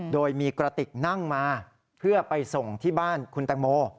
โดยมีกระติกนั่งมาเพื่อไปส่งที่บ้านคุณแตงโม